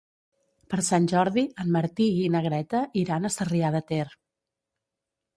Per Sant Jordi en Martí i na Greta iran a Sarrià de Ter.